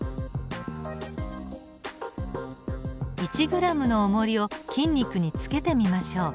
１グラムのおもりを筋肉につけてみましょう。